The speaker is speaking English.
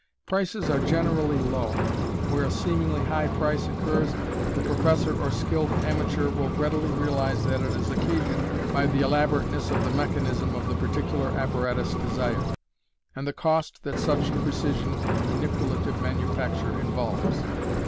Prices are generally low : where a seemingly high price occurs the professor or skilled amateur will readily realize that it is occasioned by the elaborateness of the mechanism of the particular apparatus desired, and the cost that such precision in manipulative manufacture involves.